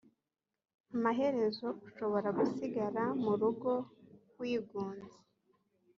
amaherezo ushobora gusigara mu rugo wigunze